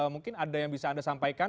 mungkin ada yang bisa anda sampaikan